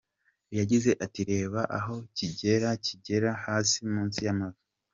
Yagize ati “Reba aho kigera, kigera hasi munsi y’amavi.